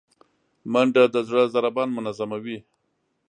منډه د زړه ضربان منظموي